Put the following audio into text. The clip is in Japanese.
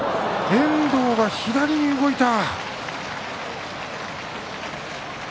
遠藤が左に動いた。